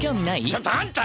ちょっとあんた！